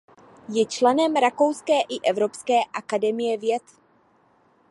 Je členem Rakouské i Evropské akademie věd.